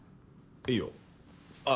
いいよああ